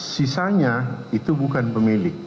sisanya itu bukan pemilik